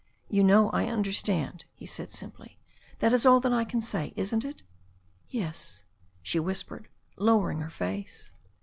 "You know I understand," he said simply. "That is all that I can say, isn't it?" "Yes," she whispered, lowering her face.